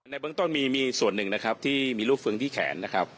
ในเบื้องต้นมีส่วนนึงที่มีรูปเฟืองที่แขน